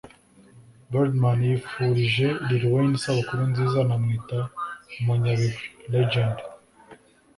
Birdman yifurije Lil Wayne isabukuru nziza anamwita umunyabigwi (legend)